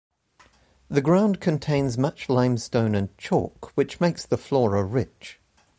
The ground contains much limestone and chalk, which makes the flora rich.